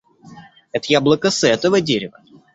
Это яблоко с этого дерева!